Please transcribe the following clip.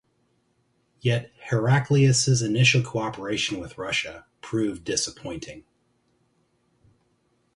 Yet, Heraclius's initial cooperation with Russia proved disappointing.